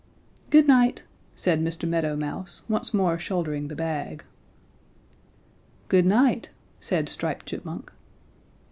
"'Good night,' said Mr. Meadow Mouse, once more shouldering the bag. "'Good night,' said Striped Chipmunk.